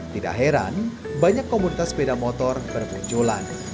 tidak heran banyak komunitas sepeda motor bermunculan